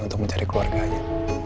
untuk mencari keluarganya